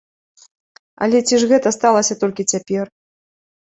Але ці ж гэта сталася толькі цяпер?